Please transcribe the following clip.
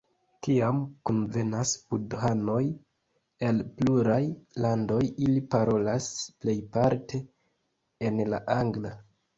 Kiam kunvenas budhanoj el pluraj landoj, ili parolas plejparte en la angla.